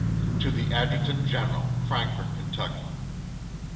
To the Adjutant General, Frankfort, Ky.